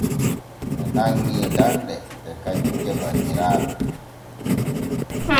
Ŋe nanŋi danɗe e kajuuje banniraaɓe.